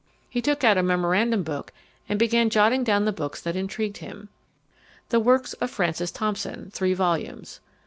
He took out a memorandum book and began jotting down the books that intrigued him: The Works of Francis Thompson (3 vols.)